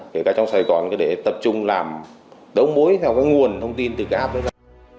kể cả trong sài gòn để tập trung làm đấu mối theo cái nguồn thông tin từ cái app